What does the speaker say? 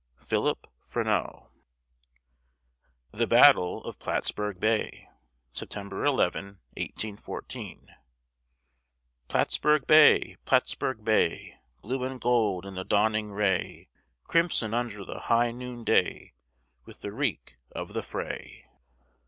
PHILIP FRENEAU. THE BATTLE OF PLATTSBURG BAY [September 11, 1814] _Plattsburg Bay! Plattsburg Bay! Blue and gold in the dawning ray, Crimson under the high noonday With the reek of the fray!